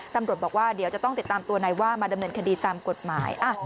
ตำรวจบอกว่าเดี๋ยวจะต้องติดตามตัวนายว่ามาดำเนินคดีตามกฎหมาย